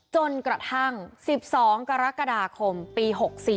จนกระทั่ง๑๒กรกฎาคมปี๖๔